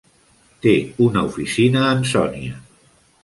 Té una oficina a Ansonia.